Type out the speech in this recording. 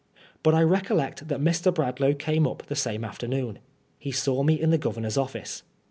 But I recollect that Mr. Bradlangh came up the same afternoon. He saw me in the Governor's office.